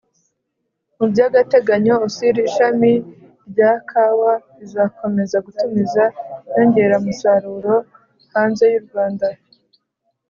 mu by'agateganyo, ocir-ishami rya kawa izakomeza gutumiza inyongeramusaruro hanze y'u rwanda